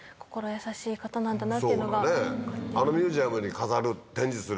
そうだねあのミュージアムに飾る展示する。